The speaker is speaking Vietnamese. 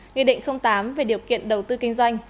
nghị định tám về điều kiện đầu tư kinh doanh